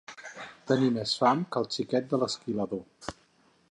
Tenir més fam que el xiquet de l'esquilador.